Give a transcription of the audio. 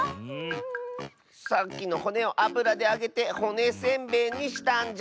さっきのほねをあぶらであげてほねせんべいにしたんじゃ。